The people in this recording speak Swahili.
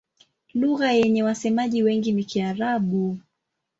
Lugha yenye wasemaji wengi ni Kiarabu.